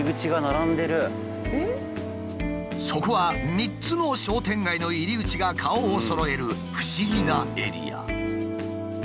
そこは３つの商店街の入り口が顔をそろえる不思議なエリア。